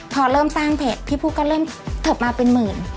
พอเริ่มสร้างเพจพี่พูดก็เริ่มเทิบมาเป็นหมื่น